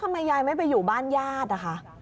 ทำไมยายไม่ไปอยู่บ้านญาตินะคะ